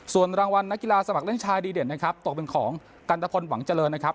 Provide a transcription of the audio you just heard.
ส่วนรางวัลนักกีฬาสมัครเล่นชายดีเด่นนะครับตกเป็นของกันตะพลหวังเจริญนะครับ